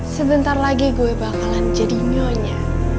sebentar lagi gue bakalan jadi nyonya